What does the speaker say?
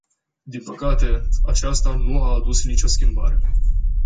Din păcate, aceasta nu a adus nicio schimbare.